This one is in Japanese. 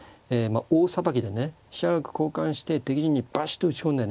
大さばきでね飛車角交換して敵陣にバシッと打ち込んでね